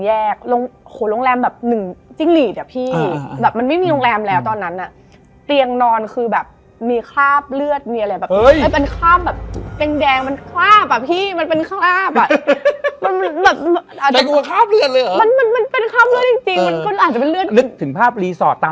แต่ก็แบบอ๋อหรอแล้วคุณคิดว่าเขาเล่า